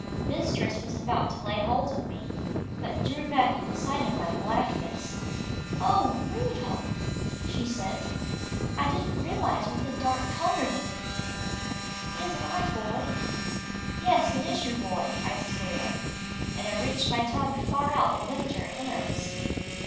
Mistress was about to lay hold of me, but drew back at the sight of my blackness. "Oh! Rudolph," she said, "I didn't realise what the dark colour would be. It isn't our Boy." "Yes, it is your Boy," I squealed, and I reached my tongue far out and licked her hands.